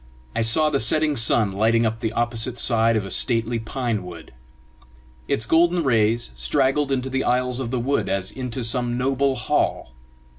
I saw the setting sun lighting up the opposite side of a stately pine wood. Its golden rays straggled into the aisles of the wood as into some noble hall.